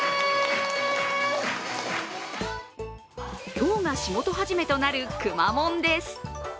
今日が仕事始めとなるくまモンです。